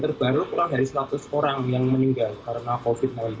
terbaru kurang dari seratus orang yang meninggal karena covid sembilan belas